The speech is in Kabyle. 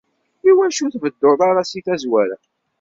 Iwacu ur d-tbedduḍ ara si tazwara?